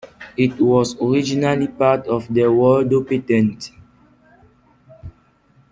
It was originally part of the Waldo Patent.